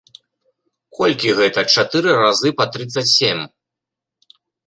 Колькі гэта чатыры разы па трыццаць сем?